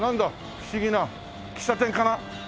不思議な喫茶店かな？